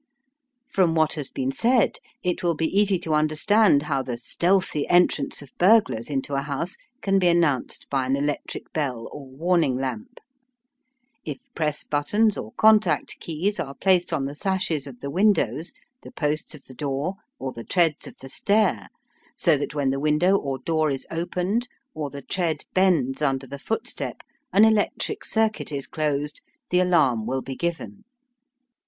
From what has been said, it will be easy to understand how the stealthy entrance of burglars into a house can be announced by an electric bell or warning lamp. If press buttons or contact keys are placed on the sashes of the windows, the posts of the door, or the treads of the stair, so that when the window or door is opened, or the tread bends under the footstep, an electric circuit is closed, the alarm will be given.